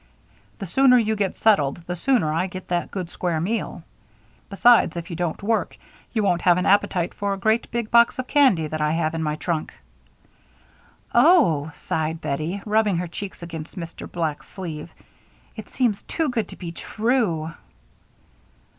The sooner you get settled, the sooner I get that good square meal. Besides, if you don't work, you won't have an appetite for a great big box of candy that I have in my trunk." "Oh," sighed Bettie, rubbing her cheek against Mr. Black's sleeve, "it seems too good to be true."